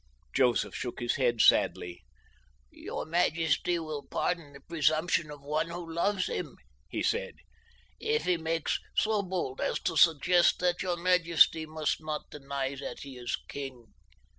Joseph shook his head sadly. "Your majesty will pardon the presumption of one who loves him," he said, "if he makes so bold as to suggest that your majesty must not again deny that he is king.